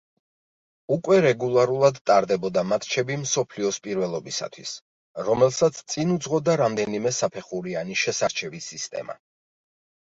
უკვე რეგულარულად ტარდებოდა მატჩები მსოფლიოს პირველობისათვის, რომელსაც წინ უძღოდა რამდენიმე საფეხურიანი შესარჩევი სისტემა.